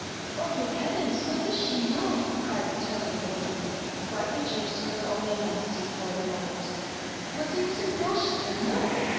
" Oh good heavens, what does she know ?" cried the trembling woman, quite reduced to her own identity for the moment "What do you sup pose she can know